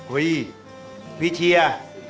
อุ๊ยพี่เชียร์